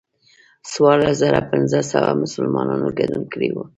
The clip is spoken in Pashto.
څوارلس زره پنځه سوه مسلمانانو ګډون کړی و.